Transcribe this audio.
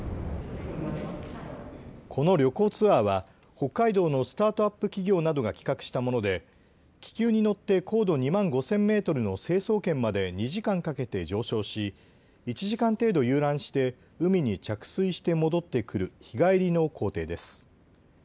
この旅行ツアーは北海道のスタートアップ企業などが企画したもので気球に乗って高度２万５０００メートルの成層圏まで２時間かけて上昇し、１時間程度、遊覧して海に着水して戻ってくる日帰りの行程です。